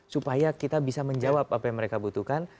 supaya kita bisa menjawab apa yang mereka butuhkan